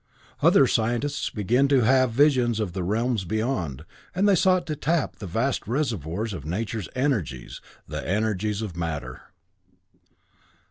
Other scientists began to have visions of the realms beyond, and they sought to tap the vast reservoirs of Nature's energies, the energies of matter.